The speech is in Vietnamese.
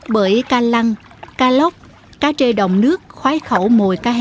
bởi cá lăng cá lóc cá trê đồng nước khoái khóa